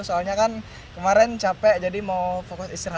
soalnya kan kemarin capek jadi mau fokus istirahat